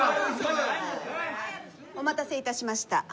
お待たせいたしました。